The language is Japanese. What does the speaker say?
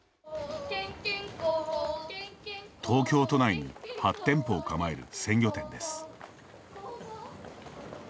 東京都内に８店舗を構える鮮魚店です。